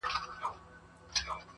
• لیکلې -